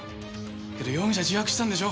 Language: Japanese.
けど容疑者自白したんでしょ？